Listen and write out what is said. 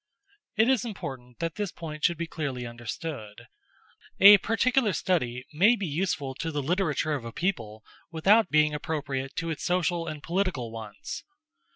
It is important that this point should be clearly understood. A particular study may be useful to the literature of a people, without being appropriate to its social and political wants.